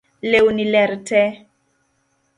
Lewni ler tee